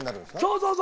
そうそう！